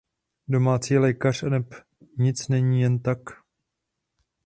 Domácí lékař aneb nic není jen tak...